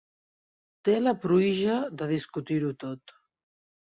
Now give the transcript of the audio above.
Té la pruïja de discutir-ho tot.